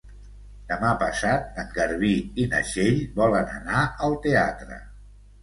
Demà passat en Garbí i na Txell volen anar al teatre.